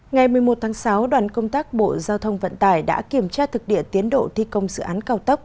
ngày một mươi một tháng sáu đoàn công tác bộ giao thông vận tải đã kiểm tra thực địa tiến độ thi công dự án cao tốc